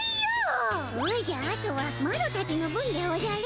おじゃあとはマロたちの分でおじゃる。